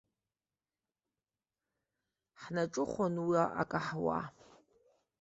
Ҳнаҿыхәон уа акаҳуа.